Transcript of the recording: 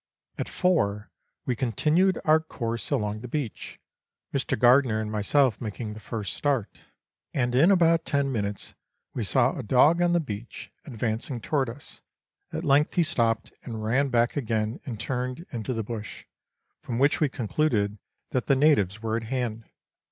At four we continued our course along the beach, Mr. Gardiner and myself making the first start, and in about ten minutes we saw a dog on the beach, advancing toward us ; at length he stopped and ran back again and turned into the bush, from which we concluded that the natives were at hand.